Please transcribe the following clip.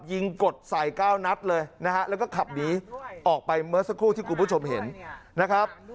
กดใส่๙นัดเลยนะฮะแล้วก็ขับหนีออกไปเมื่อสักครู่ที่คุณผู้ชมเห็นนะครับ